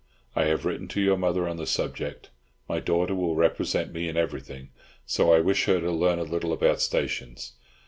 I have written to your mother on the subject. My daughter will represent me in everything, so I wish her to learn a little about stations.